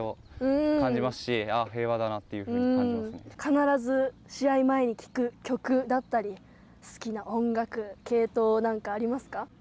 必ず試合前に聴く曲だったり好きな音楽系統何かありますか？